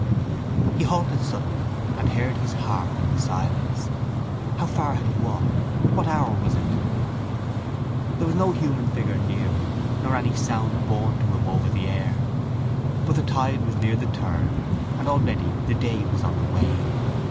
He halted suddenly and heard his heart in the silence. How far had he walked? What hour was it? There was no human figure near him nor any sound borne to him over the air. But the tide was near the turn and already the day was on the wane.